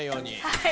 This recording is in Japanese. はい。